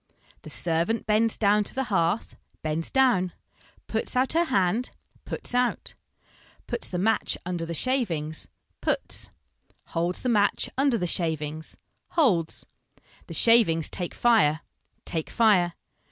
The servant bends down to the hearth, bends doivn. Puts out her hand, puts out. Puts the match under the shavings, puts. Holds the match under the shavings, holds. The shavings take fire, take fire.